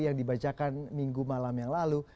yang dibacakan minggu malam yang lalu